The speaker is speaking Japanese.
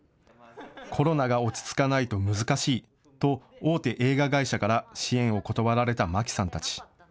コロナが落ち着かないと難しいと大手映画会社から支援を断られた舞木さんたち。